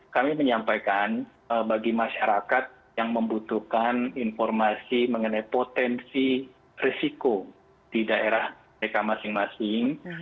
kami menyampaikan bagi masyarakat yang membutuhkan informasi mengenai potensi risiko di daerah mereka masing masing